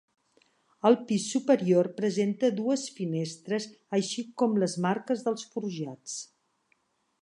El pis superior presenta dues finestres així com les marques dels forjats.